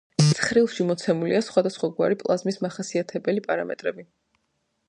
ცხრილში მოცემულია სხვადასხვაგვარი პლაზმის მახასიათებელი პარამეტრები.